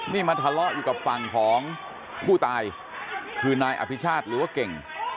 นี่มาทะเลาะอยู่กับฝั่งของผู้ตายคือนายอภิชาติหรือว่าเก่ง